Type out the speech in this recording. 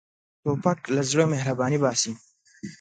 توپک له زړه مهرباني باسي.